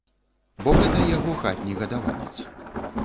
Бо гэта яго хатні гадаванец.